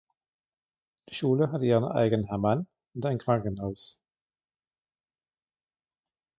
Die Schule hatte ihren eigenen Hammam und ein Krankenhaus.